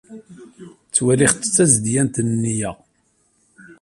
Ttwaliɣ-tt d tazedgant n nneyya.